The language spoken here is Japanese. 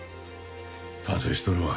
反省しとるわ。